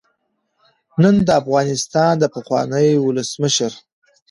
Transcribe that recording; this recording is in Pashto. نن د افغانستان د پخواني ولسمشر